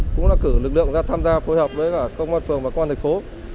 cũng đã cử lực lượng ra tham gia phối hợp với công an phường và công an thành phố